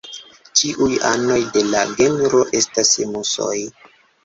Ĉiuj anoj de la genro estas musoj.